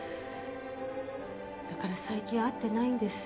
だから最近会ってないんです。